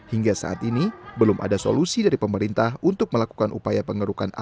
hingga saat ini belum ada solusi dari pemerintah untuk melakukan upaya pengerukan asap